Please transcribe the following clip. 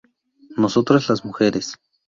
Nosotras, las mujeres.